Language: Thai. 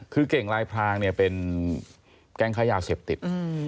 คือเก่งลายพรางเป็นแกล้งค้ายาเสพติด